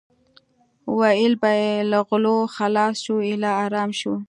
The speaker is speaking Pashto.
ویل به یې له غلو خلاص شو ایله ارام شو.